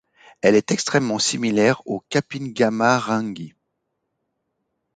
Elle est extrêmement similaire au Kapingamarangi.